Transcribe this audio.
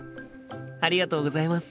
ありがとうございます。